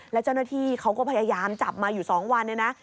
แล้วเจ้าหน้าที่เขาก็พยายามจับมาอยู่๒วันเนี่ยนะ